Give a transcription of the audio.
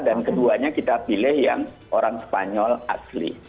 dan keduanya kita pilih yang orang spanyol asli